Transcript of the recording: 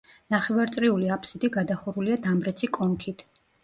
ნახევარწრიული აფსიდი გადახურულია დამრეცი კონქით.